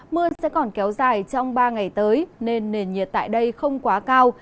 mưa sẽ còn kéo dài trong ba ngày tới nên nền nhiệt tại đây không quá cao